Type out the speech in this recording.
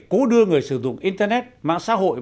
cố đưa người sử dụng internet mạng xã hội